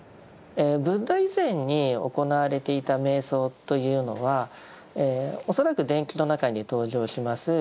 ブッダ以前に行われていた瞑想というのは恐らく伝記の中に登場します